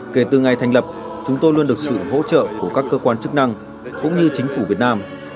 kể từ ngày thành lập chúng tôi luôn được sự hỗ trợ của các cơ quan chức năng cũng như chính phủ việt nam